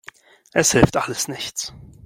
Es hilft alles nichts.